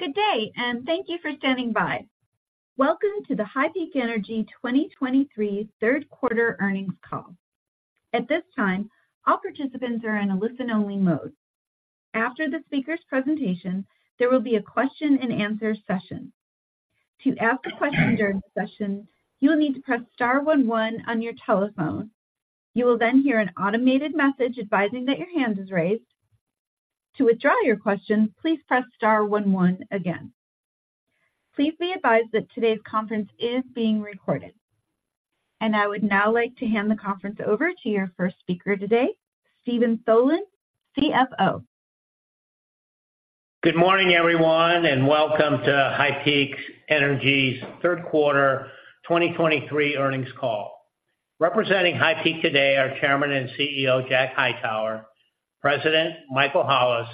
Good day, and thank you for standing by. Welcome to the HighPeak Energy 2023 third quarter earnings call. At this time, all participants are in a listen-only mode. After the speaker's presentation, there will be a question and answer session. To ask a question during the session, you will need to press star one one on your telephone. You will then hear an automated message advising that your hand is raised. To withdraw your question, please press star one one again. Please be advised that today's conference is being recorded. I would now like to hand the conference over to your first speaker today, Steven Tholen, CFO. Good morning, everyone, and welcome to HighPeak Energy's third quarter 2023 earnings call. Representing HighPeak today are Chairman and CEO Jack Hightower; President Michael Hollis;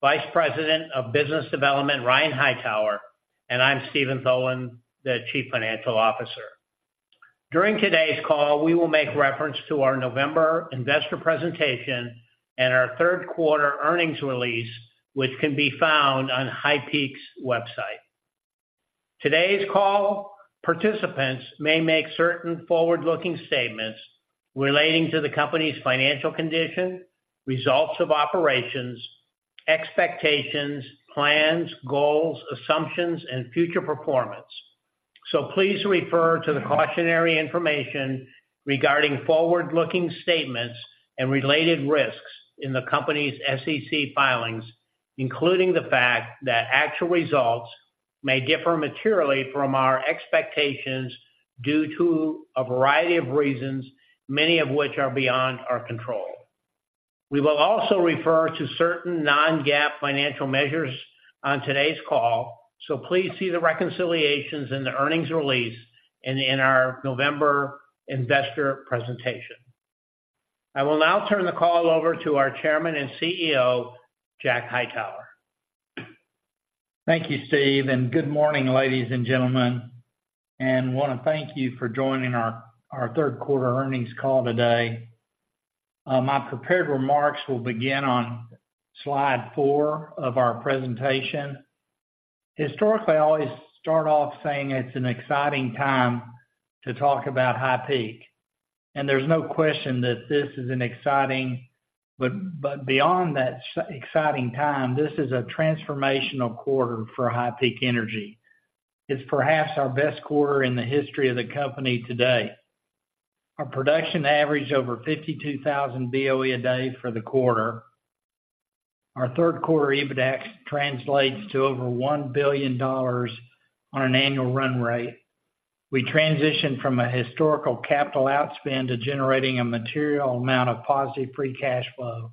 Vice President of Business Development Ryan Hightower; and I'm Steven Tholen, the Chief Financial Officer. During today's call, we will make reference to our November investor presentation and our third quarter earnings release, which can be found on HighPeak's website. Today's call, participants may make certain forward-looking statements relating to the company's financial condition, results of operations, expectations, plans, goals, assumptions, and future performance. So please refer to the cautionary information regarding forward-looking statements and related risks in the company's SEC filings, including the fact that actual results may differ materially from our expectations due to a variety of reasons, many of which are beyond our control. We will also refer to certain non-GAAP financial measures on today's call, so please see the reconciliations in the earnings release and in our November investor presentation. I will now turn the call over to our Chairman and CEO, Jack Hightower. Thank you, Steve, and good morning, ladies and gentlemen, and want to thank you for joining our our third quarter earnings call today. My prepared remarks will begin on Slide 4 of our presentation. Historically, I always start off saying it's an exciting time to talk about HighPeak, and there's no question that this is an exciting... But beyond that exciting time, this is a transformational quarter for HighPeak Energy. It's perhaps our best quarter in the history of the company to date. Our production averaged over 52,000 BOE a day for the quarter. Our third quarter EBITDAX translates to over $1 billion on an annual run rate. We transitioned from a historical capital outspend to generating a material amount of positive free cash flow,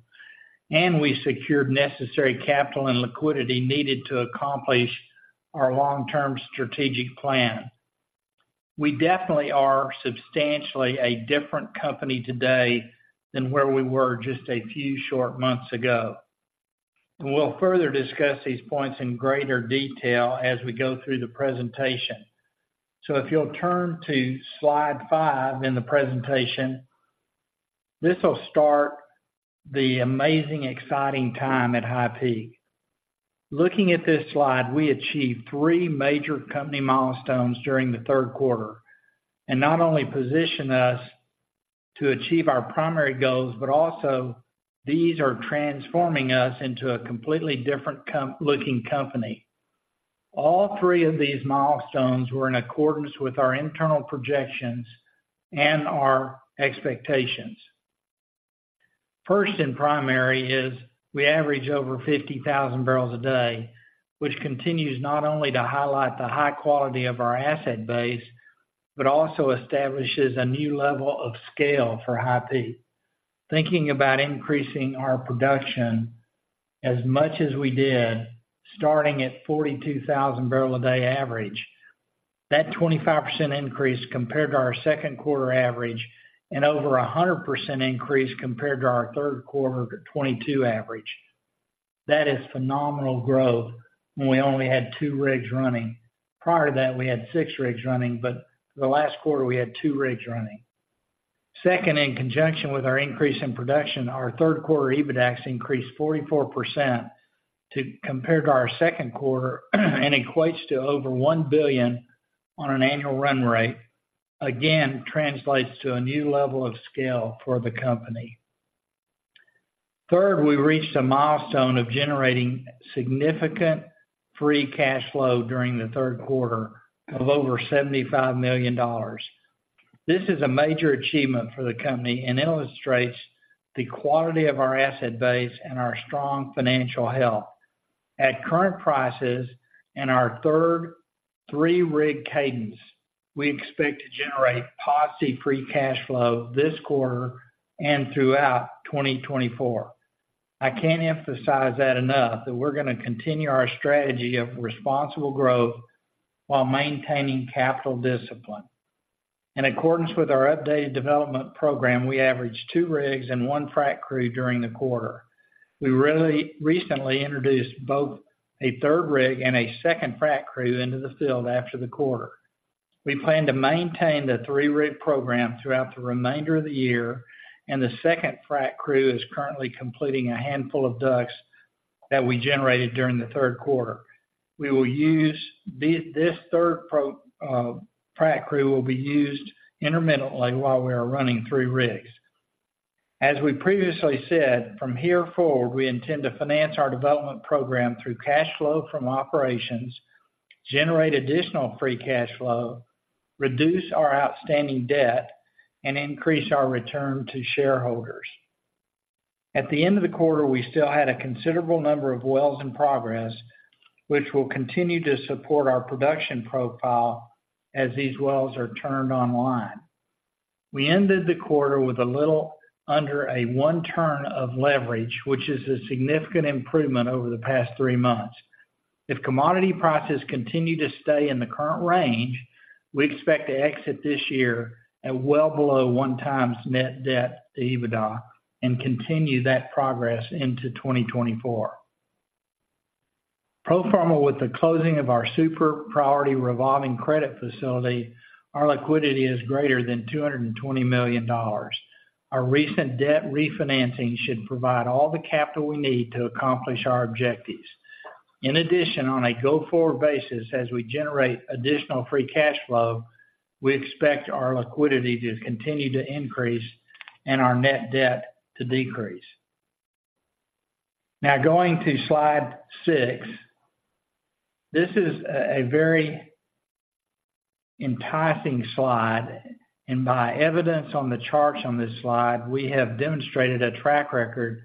and we secured necessary capital and liquidity needed to accomplish our long-term strategic plan. We definitely are substantially a different company today than where we were just a few short months ago. We'll further discuss these points in greater detail as we go through the presentation. So if you'll turn to Slide 5 in the presentation, this will start the amazing, exciting time at HighPeak. Looking at this slide, we achieved three major company milestones during the third quarter, and not only positioned us to achieve our primary goals, but also these are transforming us into a completely different-looking company. All three of these milestones were in accordance with our internal projections and our expectations. First and primary is we average over 50,000 bbl a day, which continues not only to highlight the high quality of our asset base, but also establishes a new level of scale for HighPeak. Thinking about increasing our production as much as we did, starting at 42,000 bbl a day average, that 25% increase compared to our second quarter average and over 100% increase compared to our third quarter of the 2022 average. That is phenomenal growth when we only had two rigs running. Prior to that, we had 6 rigs running, but the last quarter, we had two rigs running. Second, in conjunction with our increase in production, our third quarter EBITDAX increased 44% to—compared to our second quarter, and equates to over $1 billion on an annual run rate. Again, translates to a new level of scale for the company. Third, we reached a milestone of generating significant free cash flow during the third quarter of over $75 million. This is a major achievement for the company and illustrates the quality of our asset base and our strong financial health. At current prices and our three-rig cadence, we expect to generate positive free cash flow this quarter and throughout 2024. I can't emphasize that enough, that we're gonna continue our strategy of responsible growth while maintaining capital discipline. In accordance with our updated development program, we averaged two rigs and one frac crew during the quarter. We recently introduced both a third rig and a second frac crew into the field after the quarter. We plan to maintain the three-rig program throughout the remainder of the year, and the second frac crew is currently completing a handful of DUCs that we generated during the third quarter. The third frac crew will be used intermittently while we are running three rigs. As we previously said, from here forward, we intend to finance our development program through cash flow from operations, generate additional free cash flow, reduce our outstanding debt, and increase our return to shareholders. At the end of the quarter, we still had a considerable number of wells in progress, which will continue to support our production profile as these wells are turned online. We ended the quarter with a little under 1x leverage, which is a significant improvement over the past three months. If commodity prices continue to stay in the current range, we expect to exit this year at well below 1x net debt to EBITDA and continue that progress into 2024. Pro forma, with the closing of our Super Priority Revolving Credit Facility, our liquidity is greater than $220 million. Our recent debt refinancing should provide all the capital we need to accomplish our objectives. In addition, on a go-forward basis, as we generate additional free cash flow, we expect our liquidity to continue to increase and our net debt to decrease. Now, going to Slide 6. This is a very enticing slide, and by evidence on the charts on this slide, we have demonstrated a track record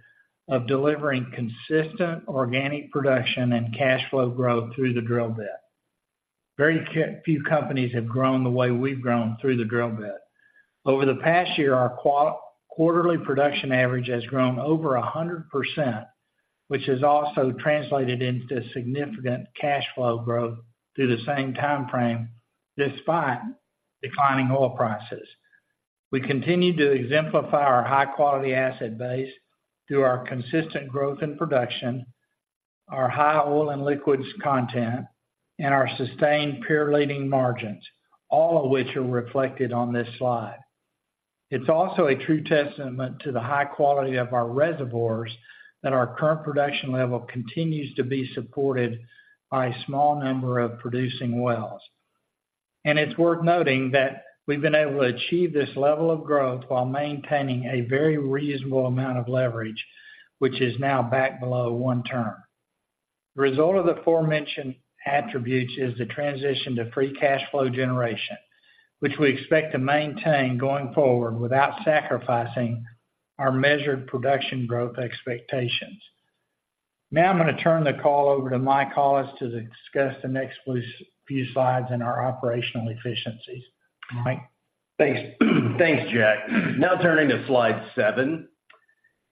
of delivering consistent organic production and cash flow growth through the drill bit. Very few companies have grown the way we've grown through the drill bit. Over the past year, our quarterly production average has grown over 100%, which has also translated into significant cash flow growth through the same time frame, despite declining oil prices. We continue to exemplify our high-quality asset base through our consistent growth in production, our high oil and liquids content, and our sustained peer-leading margins, all of which are reflected on this slide. It's also a true testament to the high quality of our reservoirs that our current production level continues to be supported by a small number of producing wells. It's worth noting that we've been able to achieve this level of growth while maintaining a very reasonable amount of leverage, which is now back below one turn. The result of the aforementioned attributes is the transition to free cash flow generation, which we expect to maintain going forward without sacrificing our measured production growth expectations. Now, I'm gonna turn the call over to Mike Hollis to discuss the next few slides in our operational efficiencies. Mike? Thanks. Thanks, Jack. Now turning to Slide 7.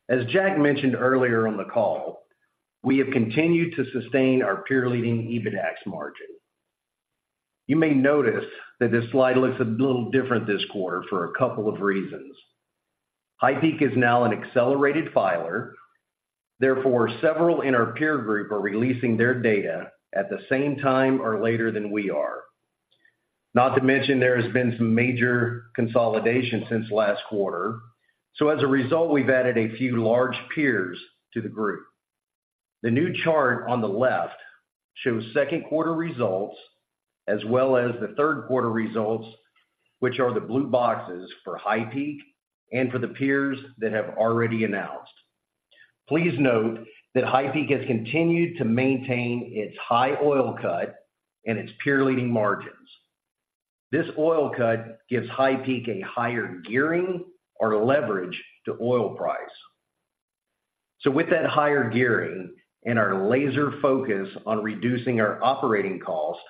As Jack mentioned earlier on the call, we have continued to sustain our peer-leading EBITDAX margin. You may notice that this slide looks a little different this quarter for a couple of reasons. HighPeak is now an accelerated filer, therefore, several in our peer group are releasing their data at the same time or later than we are. Not to mention, there has been some major consolidation since last quarter, so as a result, we've added a few large peers to the group. The new chart on the left shows second quarter results, as well as the third quarter results, which are the blue boxes for HighPeak and for the peers that have already announced. Please note that HighPeak has continued to maintain its high oil cut and its peer-leading margins. This oil cut gives HighPeak a higher gearing or leverage to oil price. So with that higher gearing and our laser focus on reducing our operating costs,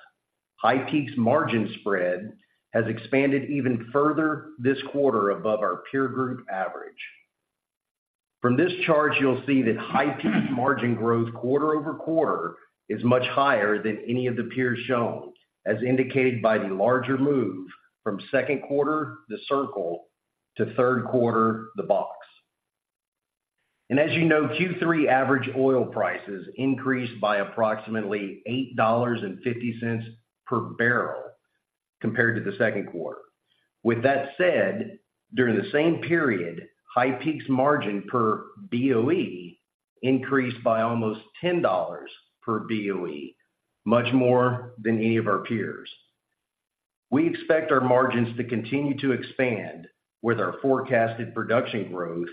HighPeak's margin spread has expanded even further this quarter above our peer group average. From this chart, you'll see that HighPeak's margin growth quarter-over-quarter is much higher than any of the peers shown, as indicated by the larger move from second quarter, the circle, to third quarter, the box. And as you know, Q3 average oil prices increased by approximately $8.50 per barrel compared to the second quarter. With that said, during the same period, HighPeak's margin per BOE increased by almost $10 per BOE, much more than any of our peers. We expect our margins to continue to expand with our forecasted production growth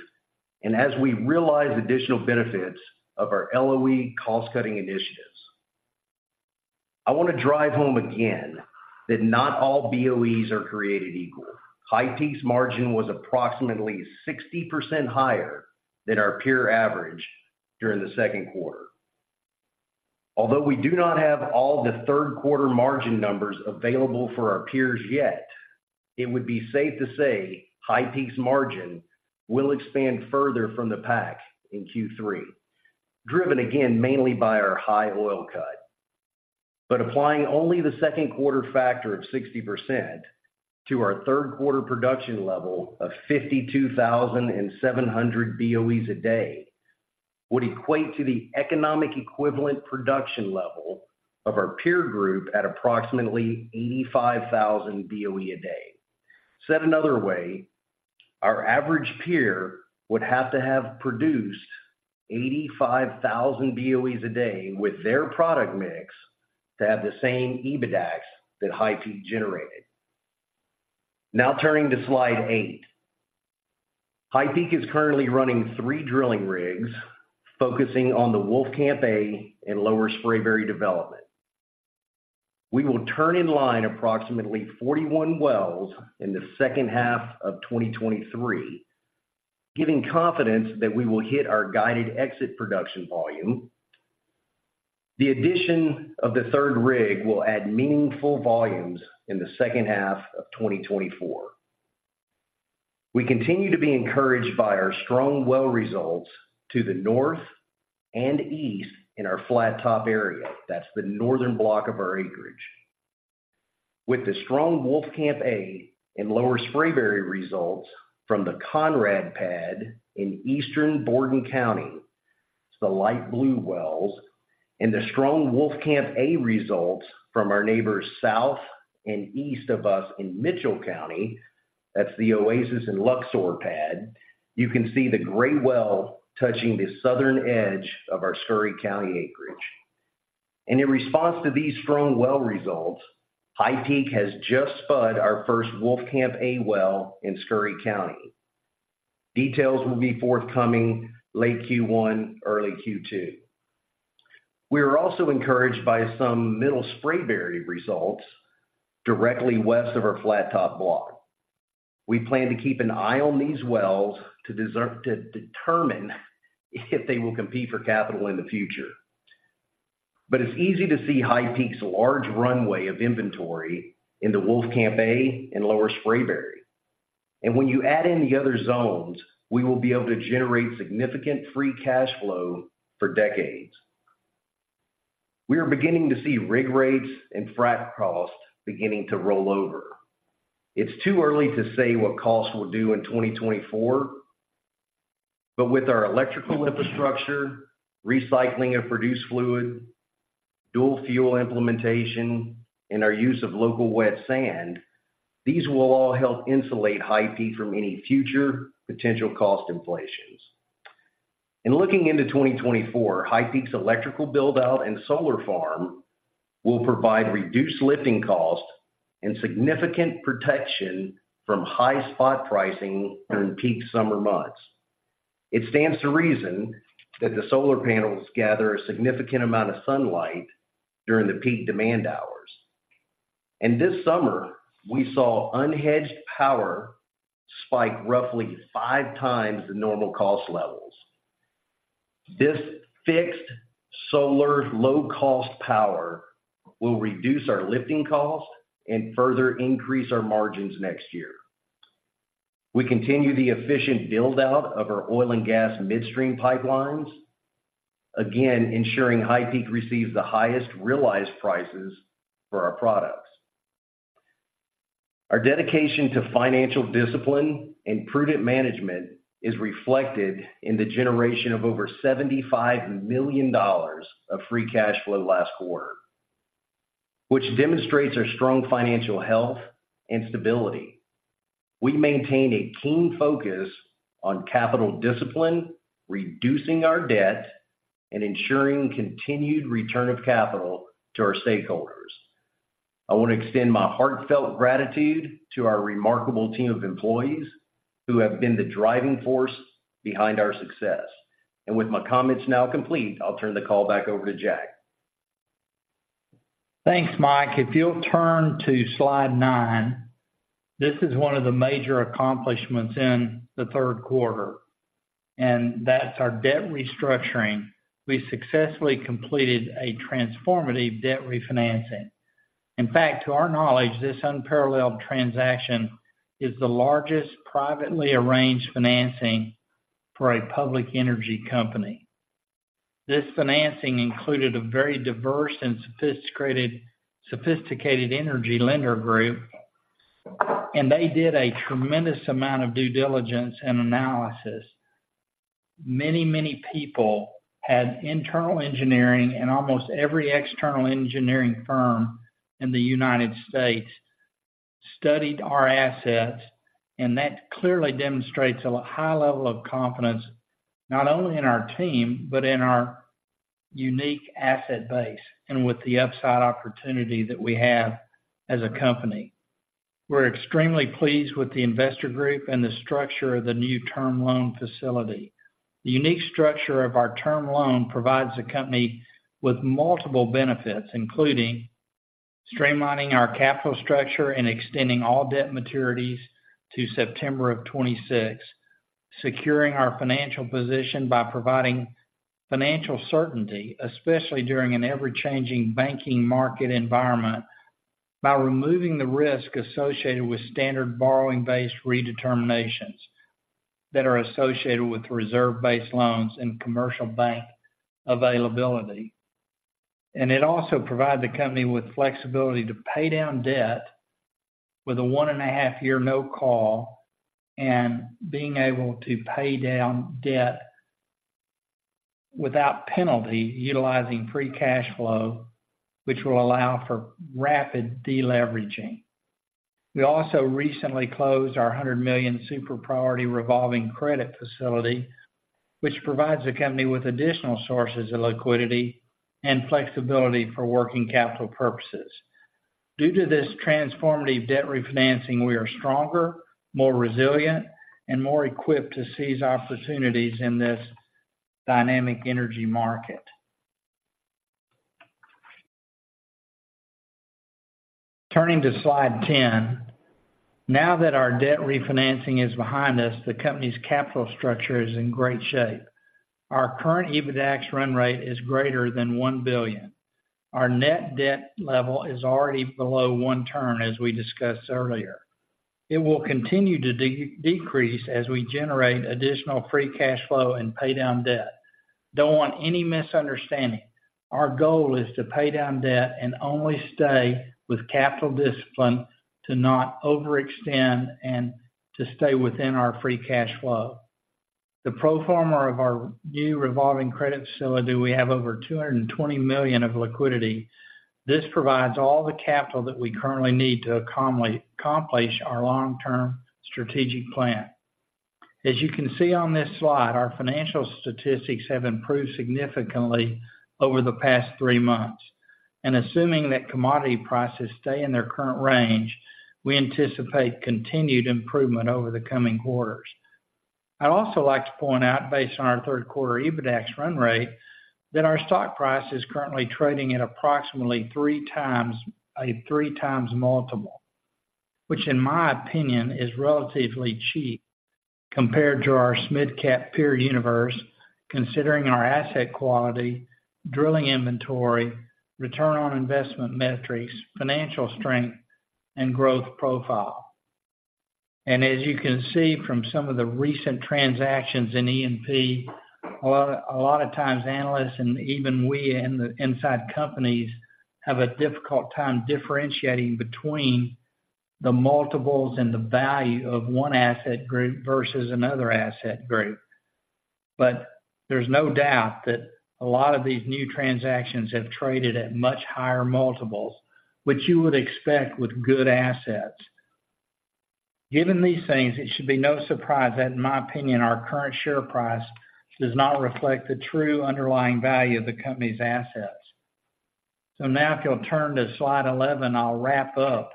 and as we realize additional benefits of our LOE cost-cutting initiatives. I want to drive home again that not all BOEs are created equal. HighPeak's margin was approximately 60% higher than our peer average during the second quarter. Although we do not have all the third quarter margin numbers available for our peers yet, it would be safe to say HighPeak's margin will expand further from the pack in Q3, driven again mainly by our high oil cut. But applying only the second quarter factor of 60% to our third quarter production level of 52,700 BOEs a day would equate to the economic equivalent production level of our peer group at approximately 85,000 BOE a day. Said another way, our average peer would have to have produced 85,000 BOEs a day with their product mix to have the same EBITDAX that HighPeak generated. Now turning to Slide 8. HighPeak is currently running three drilling rigs, focusing on the Wolfcamp A and Lower Spraberry development. We will turn in line approximately 41 wells in the second half of 2023, giving confidence that we will hit our guided exit production volume. The addition of the third rig will add meaningful volumes in the second half of 2024. We continue to be encouraged by our strong well results to the north and east in our Flat Top area, that's the northern block of our acreage. With the strong Wolfcamp A and Lower Spraberry results from the Conrad pad in eastern Borden County, it's the light blue wells, and the strong Wolfcamp A results from our neighbors south and east of us in Mitchell County, that's the Oasis and Luxor pad. You can see the gray well touching the southern edge of our Scurry County acreage. In response to these strong well results, HighPeak has just spud our first Wolfcamp A well in Scurry County. Details will be forthcoming late Q1, early Q2. We are also encouraged by some Middle Spraberry results directly west of our Flat Top block. We plan to keep an eye on these wells to determine if they will compete for capital in the future. But it's easy to see HighPeak's large runway of inventory in the Wolfcamp A and Lower Spraberry. When you add in the other zones, we will be able to generate significant free cash flow for decades. We are beginning to see rig rates and frac costs beginning to roll over. It's too early to say what costs will do in 2024, but with our electrical infrastructure, recycling of produced fluid, dual fuel implementation, and our use of local wet sand, these will all help insulate HighPeak from any future potential cost inflations. In looking into 2024, HighPeak's electrical build-out and solar farm will provide reduced lifting costs and significant protection from high spot pricing during peak summer months. It stands to reason that the solar panels gather a significant amount of sunlight during the peak demand hours. This summer, we saw unhedged power spike roughly five times the normal cost levels. This fixed solar low-cost power will reduce our lifting costs and further increase our margins next year. We continue the efficient build-out of our oil and gas midstream pipelines, again, ensuring HighPeak receives the highest realized prices for our products. Our dedication to financial discipline and prudent management is reflected in the generation of over $75 million of free cash flow last quarter, which demonstrates our strong financial health and stability. We maintain a keen focus on capital discipline, reducing our debt, and ensuring continued return of capital to our stakeholders. I want to extend my heartfelt gratitude to our remarkable team of employees, who have been the driving force behind our success. With my comments now complete, I'll turn the call back over to Jack. Thanks, Mike. If you'll turn to Slide 9, this is one of the major accomplishments in the third quarter, and that's our debt restructuring. We successfully completed a transformative debt refinancing. In fact, to our knowledge, this unparalleled transaction is the largest privately arranged financing for a public energy company. This financing included a very diverse and sophisticated energy lender group, and they did a tremendous amount of due diligence and analysis. Many, many people had internal engineering, and almost every external engineering firm in the United States studied our assets, and that clearly demonstrates a high level of confidence, not only in our team, but in our unique asset base and with the upside opportunity that we have as a company. We're extremely pleased with the investor group and the structure of the new term loan facility. The unique structure of our term loan provides the company with multiple benefits, including streamlining our capital structure and extending all debt maturities to September 2026, securing our financial position by providing financial certainty, especially during an ever-changing banking market environment, by removing the risk associated with standard borrowing-based redeterminations that are associated with reserve-based loans and commercial bank availability. It also provides the company with flexibility to pay down debt with a 1.5-year no call, and being able to pay down debt without penalty, utilizing free cash flow, which will allow for rapid deleveraging. We also recently closed our $100 million Super Priority Revolving Credit Facility, which provides the company with additional sources of liquidity and flexibility for working capital purposes. Due to this transformative debt refinancing, we are stronger, more resilient, and more equipped to seize opportunities in this dynamic energy market. Turning to Slide 10. Now that our debt refinancing is behind us, the company's capital structure is in great shape. Our current EBITDAX run rate is greater than $1 billion. Our net debt level is already below one turn, as we discussed earlier. It will continue to decrease as we generate additional free cash flow and pay down debt. Don't want any misunderstanding. Our goal is to pay down debt and only stay with capital discipline, to not overextend and to stay within our free cash flow. The pro forma of our new revolving credit facility, we have over $220 million of liquidity. This provides all the capital that we currently need to accomplish our long-term strategic plan. As you can see on this slide, our financial statistics have improved significantly over the past three months, and assuming that commodity prices stay in their current range, we anticipate continued improvement over the coming quarters. I'd also like to point out, based on our third quarter EBITDAX run rate, that our stock price is currently trading at approximately 3x, a 3x multiple. Which in my opinion is relatively cheap compared to our mid-cap peer universe, considering our asset quality, drilling inventory, return on investment metrics, financial strength, and growth profile. As you can see from some of the recent transactions in E&P, a lot, a lot of times, analysts and even we in the inside companies have a difficult time differentiating between the multiples and the value of one asset group versus another asset group. But there's no doubt that a lot of these new transactions have traded at much higher multiples, which you would expect with good assets. Given these things, it should be no surprise that, in my opinion, our current share price does not reflect the true underlying value of the company's assets. So now, if you'll turn to Slide 11, I'll wrap up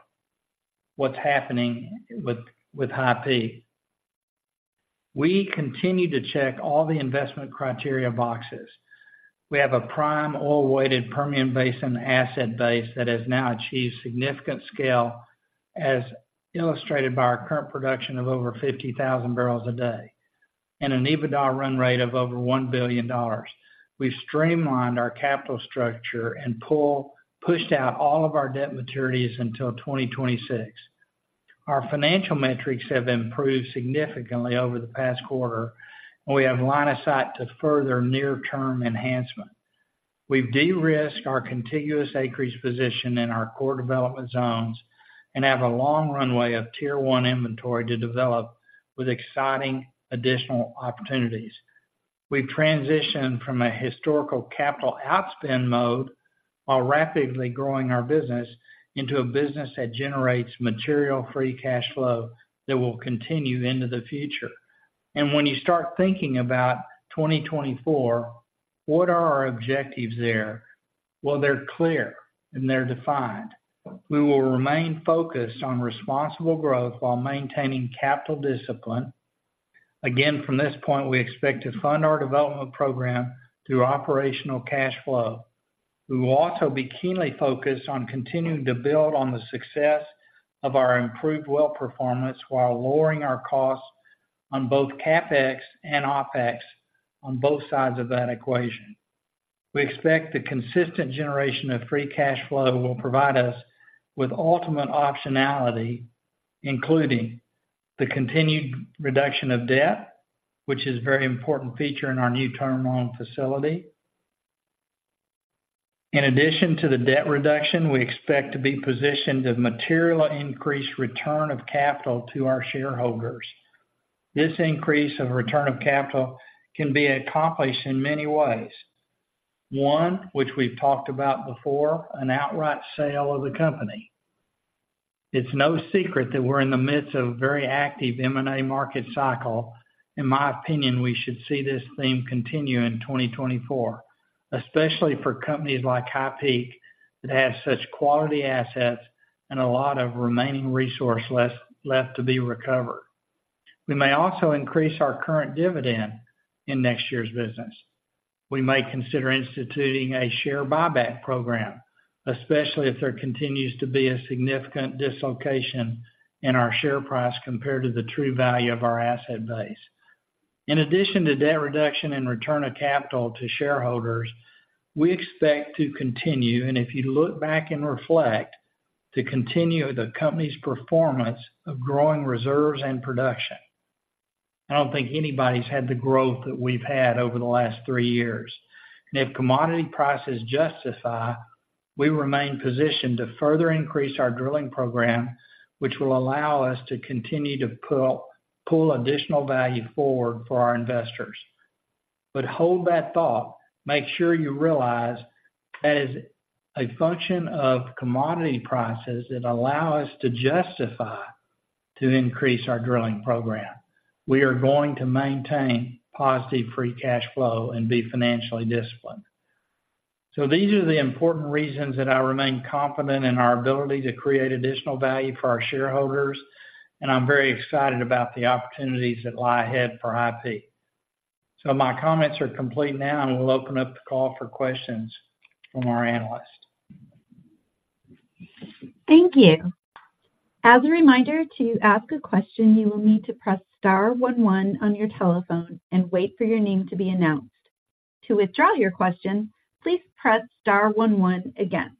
what's happening with HighPeak. We continue to check all the investment criteria boxes. We have a prime oil-weighted Permian Basin asset base that has now achieved significant scale, as illustrated by our current production of over 50,000 bbl a day, and an EBITDA run rate of over $1 billion. We've streamlined our capital structure and pushed out all of our debt maturities until 2026. Our financial metrics have improved significantly over the past quarter, and we have line of sight to further near-term enhancement. We've de-risked our contiguous acreage position in our core development zones and have a long runway of Tier 1 inventory to develop with exciting additional opportunities. We've transitioned from a historical capital outspend mode, while rapidly growing our business, into a business that generates material free cash flow that will continue into the future. When you start thinking about 2024, what are our objectives there? Well, they're clear and they're defined. We will remain focused on responsible growth while maintaining capital discipline. Again, from this point, we expect to fund our development program through operational cash flow. We will also be keenly focused on continuing to build on the success of our improved well performance, while lowering our costs on both CapEx and OpEx on both sides of that equation. We expect the consistent generation of free cash flow will provide us with ultimate optionality, including the continued reduction of debt, which is a very important feature in our new term loan facility. In addition to the debt reduction, we expect to be positioned to materially increase return of capital to our shareholders. This increase of return of capital can be accomplished in many ways. One, which we've talked about before, an outright sale of the company. It's no secret that we're in the midst of a very active M&A market cycle. In my opinion, we should see this theme continue in 2024, especially for companies like HighPeak, that have such quality assets and a lot of remaining resources left to be recovered. We may also increase our current dividend in next year's business. We may consider instituting a share buyback program, especially if there continues to be a significant dislocation in our share price compared to the true value of our asset base. In addition to debt reduction and return of capital to shareholders, we expect to continue, and if you look back and reflect, to continue the company's performance of growing reserves and production. I don't think anybody's had the growth that we've had over the last three years. If commodity prices justify, we remain positioned to further increase our drilling program, which will allow us to continue to pull additional value forward for our investors. But hold that thought. Make sure you realize, as a function of commodity prices that allow us to justify to increase our drilling program, we are going to maintain positive free cash flow and be financially disciplined. So these are the important reasons that I remain confident in our ability to create additional value for our shareholders, and I'm very excited about the opportunities that lie ahead for HighPeak. So my comments are complete now, and we'll open up the call for questions from our analysts. Thank you. As a reminder, to ask a question, you will need to press star one one on your telephone and wait for your name to be announced. To withdraw your question, please press star one one again.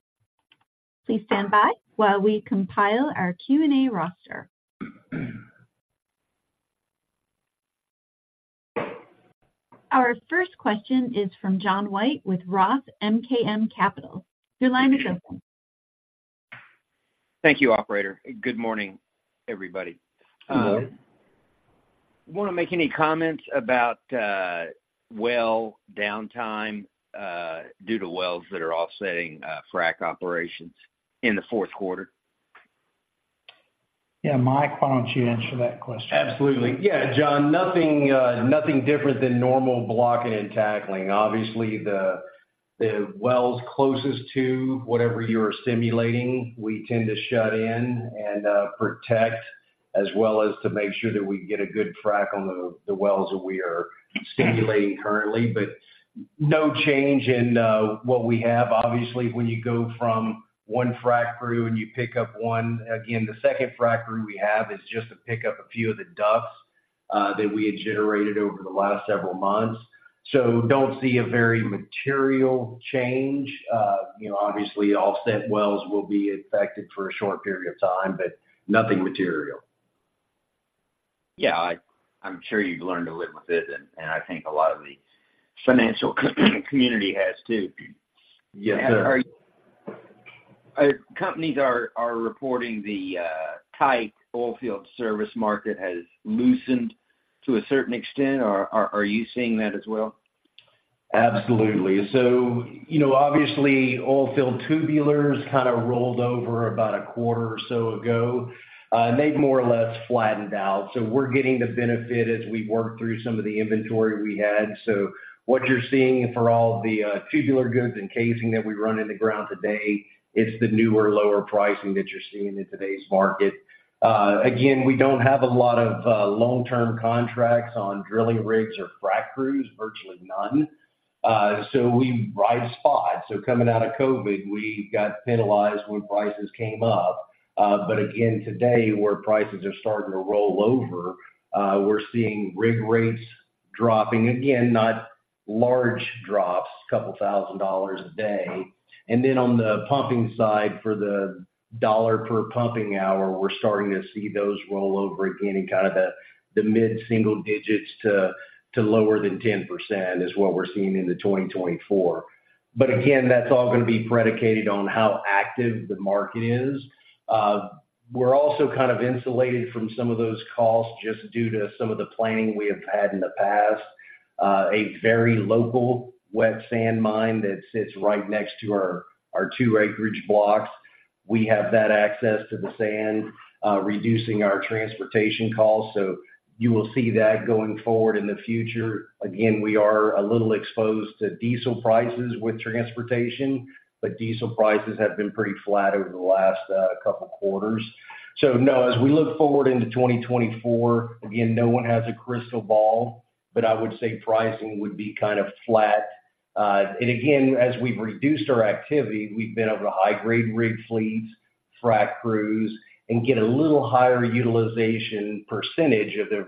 Please stand by while we compile our Q&A roster. Our first question is from John White with Roth MKM Capital. Your line is open. Thank you, operator. Good morning, everybody. Good morning. Want to make any comments about well downtime due to wells that are offsetting frac operations in the fourth quarter? Yeah, Mike, why don't you answer that question? Absolutely. Yeah, John, nothing, nothing different than normal blocking and tackling. Obviously, the wells closest to whatever you're stimulating, we tend to shut in and protect, as well as to make sure that we get a good frac on the wells that we are stimulating currently. But no change in what we have. Obviously, when you go from one frac crew and you pick up one again, the second frac crew we have is just to pick up a few of the DUCs that we had generated over the last several months. So don't see a very material change. You know, obviously, offset wells will be affected for a short period of time, but nothing material. Yeah, I'm sure you've learned to live with it, and I think a lot of the financial community has, too. Yes, sir. Are companies reporting the tight oil field service market has loosened to a certain extent, or are you seeing that as well? Absolutely. So, you know, obviously, oil field tubulars kind of rolled over about a quarter or so ago. They've more or less flattened out, so we're getting the benefit as we work through some of the inventory we had. So what you're seeing for all the tubular goods and casing that we run in the ground today, it's the newer, lower pricing that you're seeing in today's market. Again, we don't have a lot of long-term contracts on drilling rigs or frac crews, virtually none. So we ride spot. So coming out of COVID, we got penalized when prices came up. But again, today, where prices are starting to roll over, we're seeing rig rates dropping. Again, not large drops, couple of thousand dollars a day. Then on the pumping side, for the dollar per pumping hour, we're starting to see those roll over again in kind of the mid-single digits to lower than 10%, is what we're seeing in 2024. But again, that's all going to be predicated on how active the market is. We're also kind of insulated from some of those costs just due to some of the planning we have had in the past. A very local wet sand mine that sits right next to our two acreage blocks. We have that access to the sand, reducing our transportation costs. So you will see that going forward in the future. Again, we are a little exposed to diesel prices with transportation, but diesel prices have been pretty flat over the last couple quarters. So no, as we look forward into 2024, again, no one has a crystal ball, but I would say pricing would be kind of flat. And again, as we've reduced our activity, we've been able to high-grade rig fleets, frac crews, and get a little higher utilization percentage of the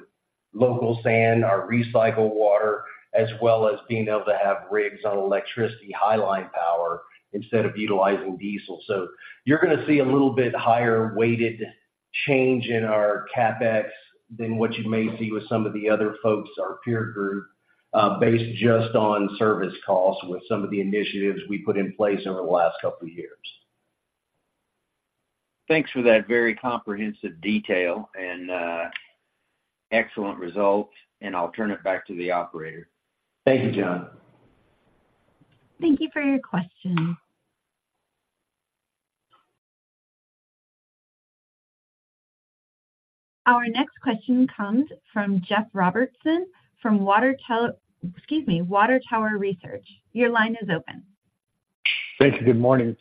local sand, our recycled water, as well as being able to have rigs on electricity high line power instead of utilizing diesel. So you're gonna see a little bit higher weighted change in our CapEx than what you may see with some of the other folks, our peer group, based just on service costs with some of the initiatives we put in place over the last couple of years. Thanks for that very comprehensive detail and, excellent results, and I'll turn it back to the operator. Thank you, John. Thank you for your question. Our next question comes from Jeff Robertson, from Water Tower-- excuse me, Water Tower Research. Your line is open. Thank you. Good morning.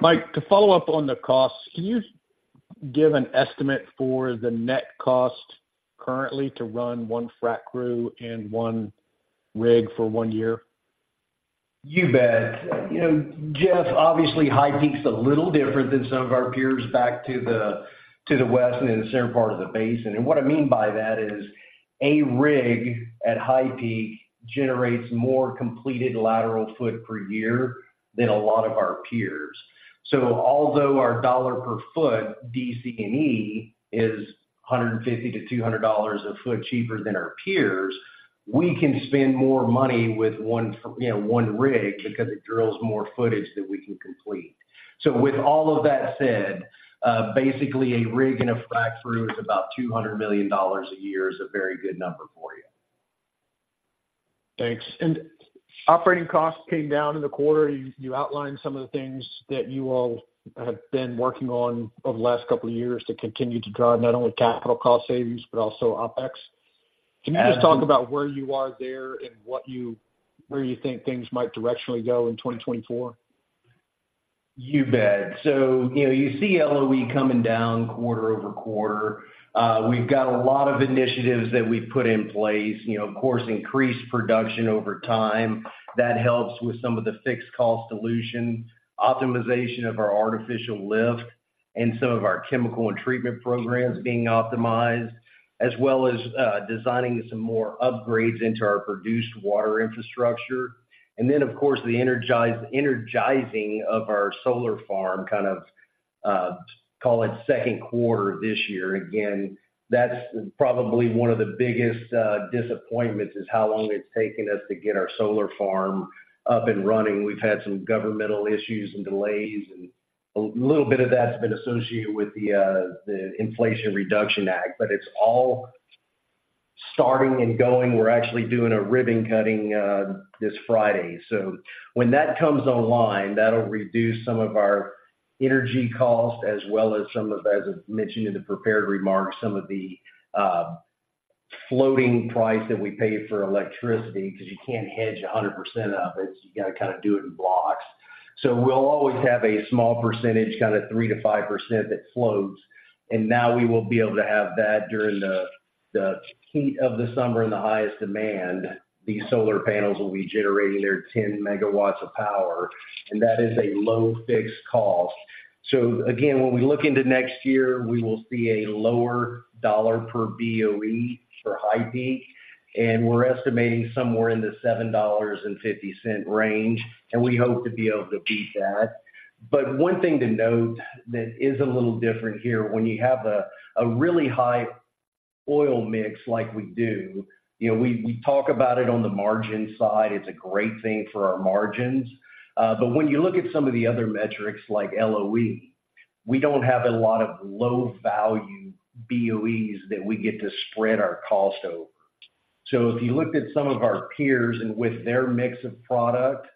Mike, to follow up on the costs, can you give an estimate for the net cost currently to run one frac crew and one rig for one year? You bet. You know, Jeff, obviously, HighPeak's a little different than some of our peers back to the, to the west and in the center part of the basin. And what I mean by that is, a rig at HighPeak generates more completed lateral foot per year than a lot of our peers. So although our dollar per foot, DC&E, is $150-$200 a foot cheaper than our peers, we can spend more money with one, you know, one rig because it drills more footage that we can complete. So with all of that said, basically, a rig and a frac crew is about $200 million a year is a very good number for you. Thanks. Operating costs came down in the quarter. You outlined some of the things that you all have been working on over the last couple of years to continue to drive not only capital cost savings, but also OpEx. Um- Can you just talk about where you are there and where you think things might directionally go in 2024? You bet. So, you know, you see LOE coming down quarter-over-quarter. We've got a lot of initiatives that we've put in place. You know, of course, increased production over time. That helps with some of the fixed cost dilution, optimization of our artificial lift, and some of our chemical and treatment programs being optimized, as well as designing some more upgrades into our produced water infrastructure. And then, of course, the energizing of our solar farm, kind of call it second quarter this year. Again, that's probably one of the biggest disappointments, is how long it's taken us to get our solar farm up and running. We've had some governmental issues and delays, and a little bit of that's been associated with the Inflation Reduction Act, but it's all starting and going. We're actually doing a ribbon cutting this Friday. So when that comes online, that'll reduce some of our energy costs, as well as some of, as I've mentioned in the prepared remarks, some of the floating price that we pay for electricity, because you can't hedge 100% of it. You got to kind of do it in blocks. So we'll always have a small percentage, kind of 3%-5%, that floats, and now we will be able to have that during the heat of the summer and the highest demand. These solar panels will be generating their 10 MW of power, and that is a low fixed cost. So again, when we look into next year, we will see a lower dollar per BOE for HighPeak, and we're estimating somewhere in the $7.50 range, and we hope to be able to beat that. But one thing to note that is a little different here, when you have a really high oil mix like we do, you know, we talk about it on the margin side, it's a great thing for our margins. But when you look at some of the other metrics like LOE, we don't have a lot of low-value BOEs that we get to spread our cost over. So if you looked at some of our peers and with their mix of product.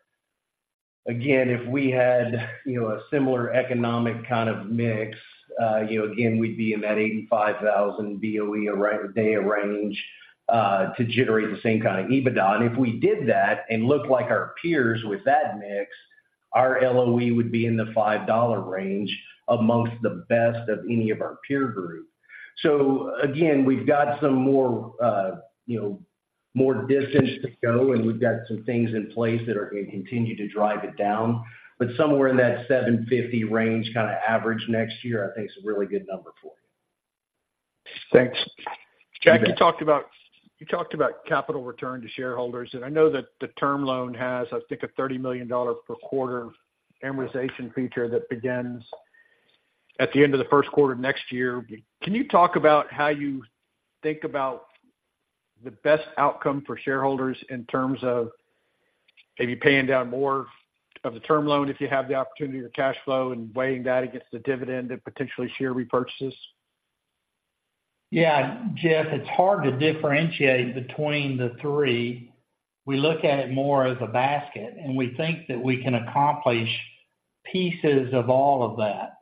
Again, if we had, you know, a similar economic kind of mix, you know, again, we'd be in that 85,000 BOE a day range, to generate the same kind of EBITDA. And if we did that and looked like our peers with that mix, our LOE would be in the $5 range amongst the best of any of our peer group. So again, we've got some more, you know, more distance to go, and we've got some things in place that are going to continue to drive it down. But somewhere in that $7.50 range, kind of average next year, I think, is a really good number for you. Thanks. Jack, you talked about—you talked about capital return to shareholders, and I know that the term loan has, I think, a $30 million per quarter amortization feature that begins at the end of the first quarter next year. Can you talk about how you think about the best outcome for shareholders in terms of maybe paying down more of the term loan, if you have the opportunity, or cash flow, and weighing that against the dividend and potentially share repurchases? Yeah, Jeff, it's hard to differentiate between the three. We look at it more as a basket, and we think that we can accomplish pieces of all of that.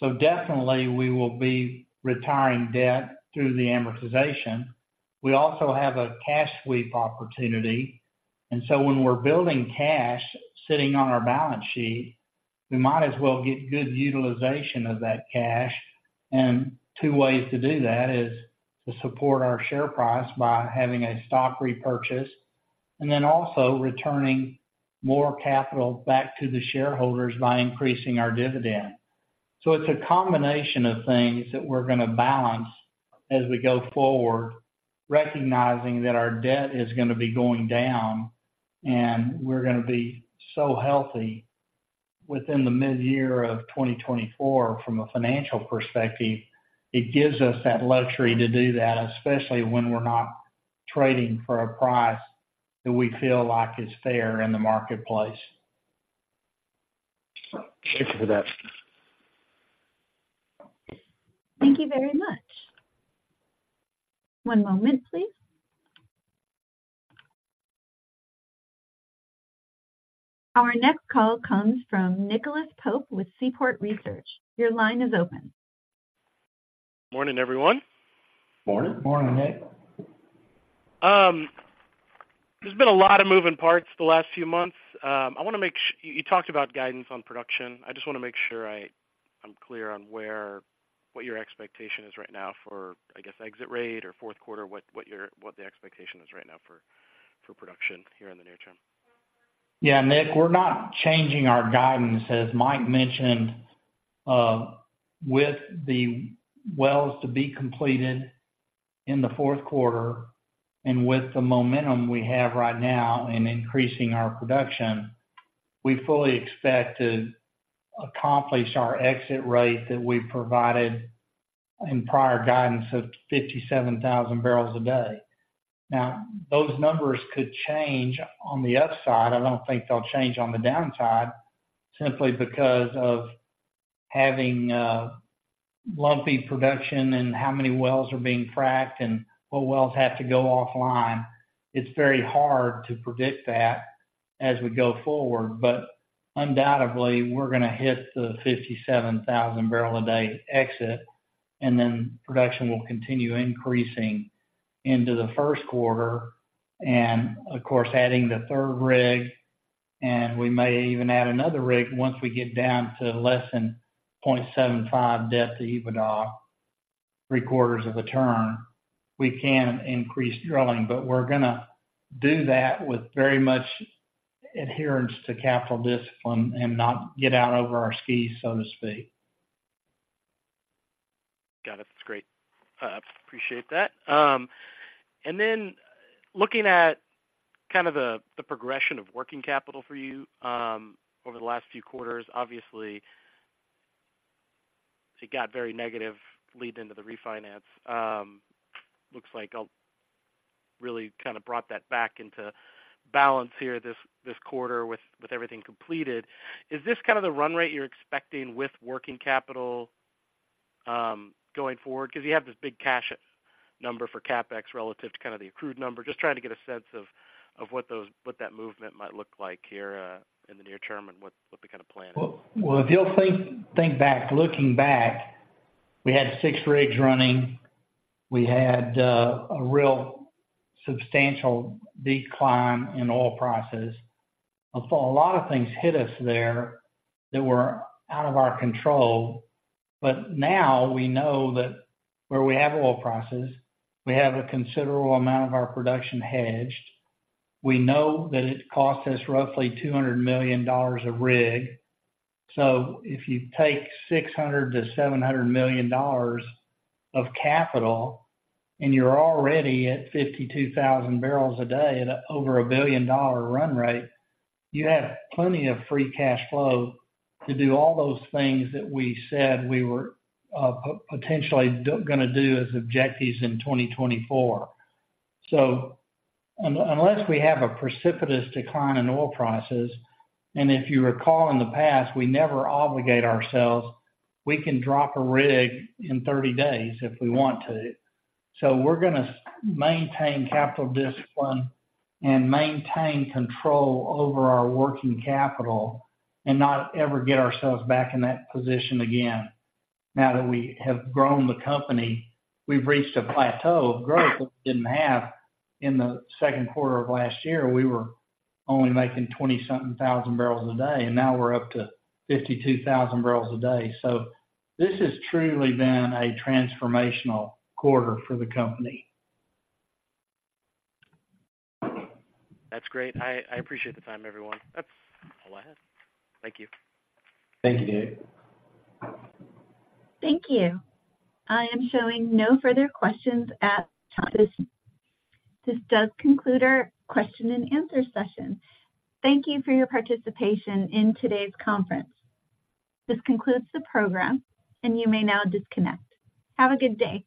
So definitely, we will be retiring debt through the amortization. We also have a cash sweep opportunity, and so when we're building cash sitting on our balance sheet, we might as well get good utilization of that cash. Two ways to do that is to support our share price by having a stock repurchase, and then also returning more capital back to the shareholders by increasing our dividend. So it's a combination of things that we're gonna balance as we go forward, recognizing that our debt is gonna be going down, and we're gonna be so healthy within the midyear of 2024 from a financial perspective. It gives us that luxury to do that, especially when we're not trading for a price that we feel like is fair in the marketplace. Thank you for that. Thank you very much. One moment, please. Our next call comes from Nicholas Pope with Seaport Research. Your line is open. Morning, everyone. Morning. Morning, Nick. There's been a lot of moving parts the last few months. I want to make sure you talked about guidance on production. I just want to make sure I'm clear on what your expectation is right now for, I guess, exit rate or fourth quarter. What the expectation is right now for production here in the near term? Yeah, Nick, we're not changing our guidance. As Mike mentioned, with the wells to be completed in the fourth quarter, and with the momentum we have right now in increasing our production, we fully expect to accomplish our exit rate that we provided in prior guidance of 57,000 bbl a day. Now, those numbers could change on the upside. I don't think they'll change on the downside, simply because of having lumpy production and how many wells are being fracked and what wells have to go offline. It's very hard to predict that as we go forward, but undoubtedly, we're gonna hit the 57,000 bbl a day exit, and then production will continue increasing into the first quarter. Of course, adding the third rig, and we may even add another rig once we get down to less than 0.75 debt to EBITDA, three-quarters of a turn, we can increase drilling. But we're gonna do that with very much adherence to capital discipline and not get out over our skis, so to speak. Got it. That's great. Appreciate that. And then looking at kind of the progression of working capital for you over the last few quarters, obviously, it got very negative leading into the refinance. Looks like you really kind of brought that back into balance here this quarter with everything completed. Is this kind of the run rate you're expecting with working capital going forward? Because you have this big cash number for CapEx relative to kind of the accrued number. Just trying to get a sense of what those—what that movement might look like here in the near term, and what the kind of plan is. Well, if you'll think back, looking back, we had six rigs running. We had a real substantial decline in oil prices. So a lot of things hit us there that were out of our control, but now we know that where we have oil prices, we have a considerable amount of our production hedged. We know that it costs us roughly $200 million a rig. So if you take $600 million-$700 million of capital, and you're already at 52,000 bbl a day at over a billion-dollar run rate, you have plenty of free cash flow to do all those things that we said we were potentially gonna do as objectives in 2024. So unless we have a precipitous decline in oil prices, and if you recall in the past, we never obligate ourselves, we can drop a rig in 30 days if we want to. So we're gonna maintain capital discipline and maintain control over our working capital and not ever get ourselves back in that position again. Now that we have grown the company, we've reached a plateau of growth, which we didn't have in the second quarter of last year. We were only making 20-something thousand barrels a day, and now we're up to 52,000 bbl a day. So this has truly been a transformational quarter for the company. That's great. I appreciate the time, everyone. That's all I have. Thank you. Thank you, Dave. Thank you. I am showing no further questions at this time. This does conclude our question and answer session. Thank you for your participation in today's conference. This concludes the program, and you may now disconnect. Have a good day.